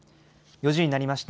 ４時になりました。